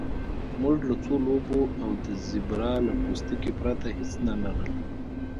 موږ له څو لوبو او د زیبرا له پوستکي پرته هیڅ نه لرل